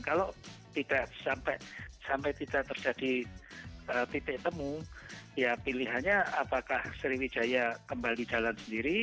kalau tidak sampai tidak terjadi titik temu ya pilihannya apakah sriwijaya kembali jalan sendiri